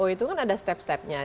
itu kan ada step stepnya